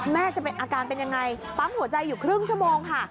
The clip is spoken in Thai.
จะเป็นอาการเป็นยังไงปั๊มหัวใจอยู่ครึ่งชั่วโมงค่ะ